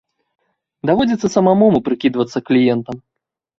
Даводзіцца самому прыкідвацца кліентам.